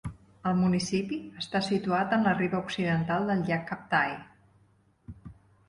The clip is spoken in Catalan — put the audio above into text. El municipi està situat en la riba occidental del llac Kaptai.